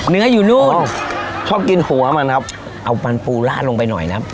เนื้ออยู่นู้นโอ้ชอบกินหัวมันครับเอามันปูลาดลงไปหน่อยนะ